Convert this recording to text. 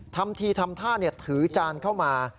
ทำทีทำท่าถือจานเข้ามา